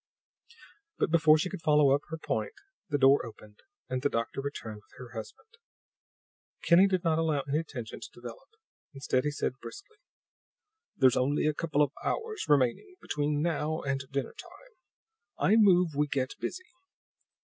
But before she could follow up her point the door opened and the doctor returned with her husband. Kinney did not allow any tension to develop; instead, he said briskly: "There's only a couple of hours remaining between now and dinner time; I move we get busy."